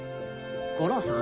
悟郎さん